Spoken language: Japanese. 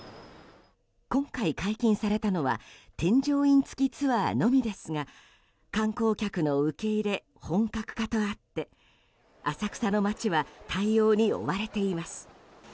今回解禁されたのは添乗員付きツアーのみですが観光客の受け入れ本格化とあって浅草の街は対応に追われています。